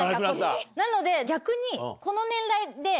なので逆に。